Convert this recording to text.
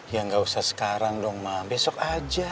ya gak usah sekarang dong ma besok aja